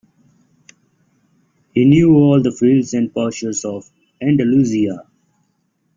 He knew all the fields and pastures of Andalusia.